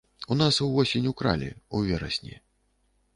У нас увосень укралі, у верасні.